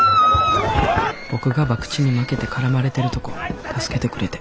僕が博打に負けて絡まれてるとこ助けてくれて。